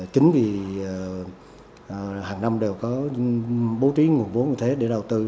chính vì hàng năm đều có bố trí nguồn vốn như thế để đầu tư